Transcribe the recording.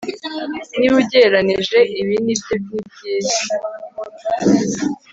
Niba ugereranije ibi nibyo nibyiza